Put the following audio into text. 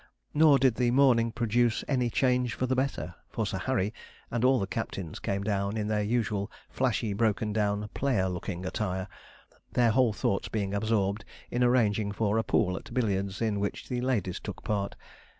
Nor did morning produce any change for the better, for Sir Harry and all the captains came down in their usual flashy broken down player looking attire, their whole thoughts being absorbed in arranging for a pool at billiards, in which the ladies took part.